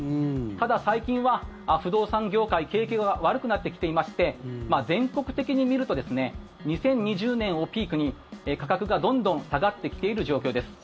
ただ最近は不動産業界景気が悪くなってきていまして全国的にみると２０２０年をピークに価格がどんどん下がってきている状況です。